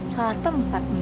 salah tempat nih